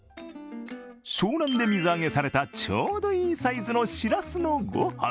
湘南で水揚げされた、ちょうどいいサイズのしらすの御飯。